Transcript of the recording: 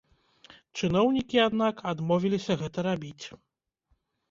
Чыноўнікі, аднак, адмовіліся гэта рабіць.